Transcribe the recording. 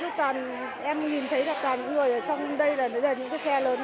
đây đây đây toàn cứ toàn em nhìn thấy là toàn người ở trong đây là những cái xe lớn